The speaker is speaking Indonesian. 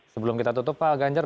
sebelum kita tutup pak ganjar